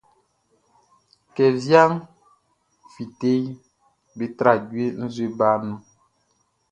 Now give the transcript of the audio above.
Kɛ wiaʼn fíteʼn, be tra jue nzue baʼn nun.